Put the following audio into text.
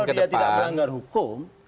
kalau dia tidak melanggar hukum